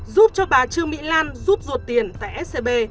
giúp cho bà trương mỹ lan rút ruột tiền tại scb